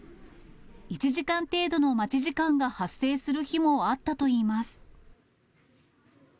１時間程度の待ち時間が発生する日もあったといいます。